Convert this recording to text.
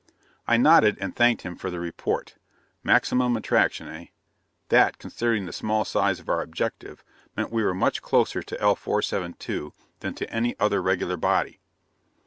I nodded and thanked him for the report. Maximum attraction, eh? That, considering the small size of our objective, meant we were much closer to L 472 than to any other regular body.